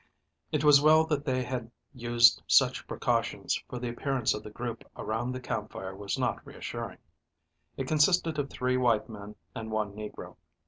It was well that they had used such precautions, for the appearance of the group around the campfire was not reassuring. It consisted of three white men and one negro.